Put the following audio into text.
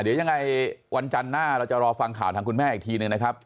เดี๋ยวยังไงวันจันทร์หน้าเราจะรอฟังข่าวทางคุณแม่อีกทีหนึ่งนะครับ